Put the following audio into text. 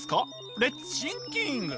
レッツシンキング！